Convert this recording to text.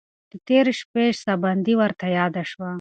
د تېرې شپې ساه بندي ورته یاده شوه.